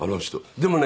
でもね